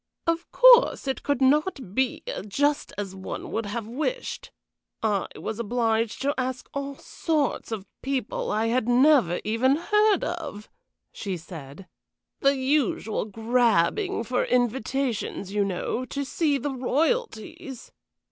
"Of course it could not be just as one would have wished. I was obliged to ask all sorts of people I had never even heard of," she said. "The usual grabbing for invitations, you know, to see the Royalties.